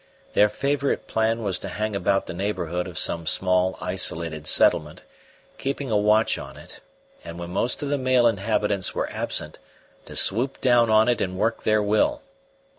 Their favourite plan was to hang about the neighbourhood of some small isolated settlement, keeping a watch on it, and, when most of the male inhabitants were absent, to swoop down on it and work their will.